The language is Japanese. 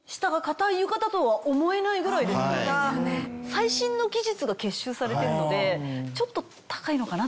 最新の技術が結集されてるのでちょっと高いのかなっていう。